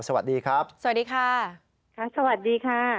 สวัสดีครับสวัสดีค่ะครับสวัสดีค่ะ